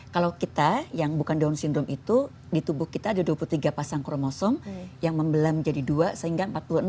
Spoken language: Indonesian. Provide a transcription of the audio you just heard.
kalau kita yang bukan down syndrome itu di tubuh kita ada dua puluh tiga pasang kromosom yang membelam jadi dua sehingga empat puluh enam